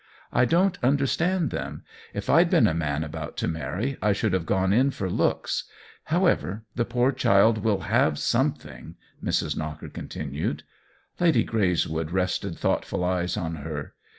I don't understand them. If I'd been a man about to marry I should have gone in for looks. However, the poor child will have something," Mrs. Knocker continued. Lady Greyswood rested thoughtful eyes on her.